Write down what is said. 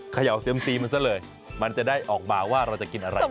เขย่าเซียมซีมันซะเลยมันจะได้ออกมาว่าเราจะกินอะไร